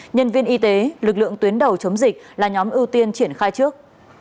nhân viên y tế lực lượng tuyến đầu chống dịch là nhóm ưu tiên triển khai trước